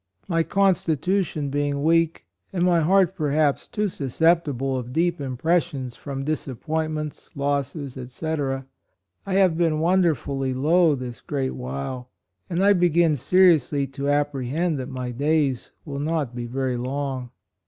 My constitution being weak, and my heart perhaps too susceptible of deep impressions from disappointments, losses, &c, I have been wonderfully low this great while, and I begin seriously HIS TRIALS. 123 to apprehend that my days will not be very long.